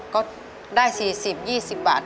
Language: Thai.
ก็ได้สี่สิบยี่สิบบาท